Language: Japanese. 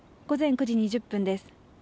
午前９時２０分です。